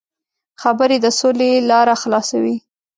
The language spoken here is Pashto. خبرې د سولې لاره خلاصوي.